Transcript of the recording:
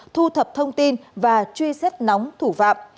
thu thập thông tin và truy xét nóng thủ phạm